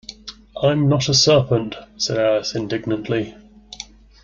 ‘I’m not a serpent!’ said Alice indignantly.